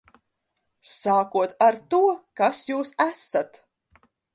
Sākot ar to, kas jūs esat.